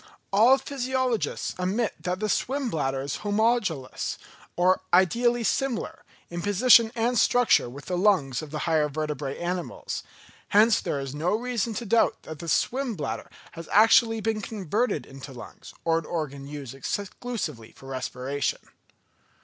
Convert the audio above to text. All physiologists admit that the swim bladder is homologous, or "ideally similar" in position and structure with the lungs of the higher vertebrate animals: hence there is no reason to doubt that the swim bladder has actually been converted into lungs, or an organ used exclusively for respiration.